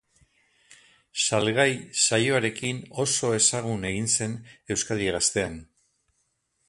Salgai saioarekin oso ezagun egin zen Euskadi Gaztean.